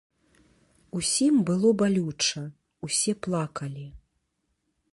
Усім было балюча, усе плакалі.